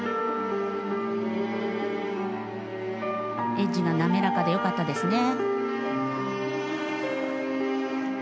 エッジが滑らかで良かったですね。